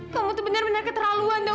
kamu tuh bener bener keterlaluan dok